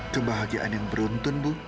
kebahagiaan yang beruntun